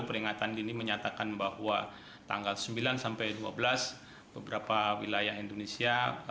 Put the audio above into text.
peringatan dini menyatakan bahwa tanggal sembilan sampai dua belas beberapa wilayah indonesia